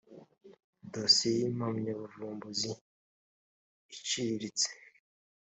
dosiye y impamyabuvumbuzi iciriritse